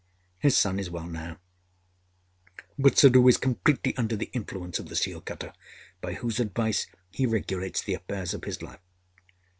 His son is well now; but Suddhoo is completely under the influence of the seal cutter, by whose advice he regulates the affairs of his life.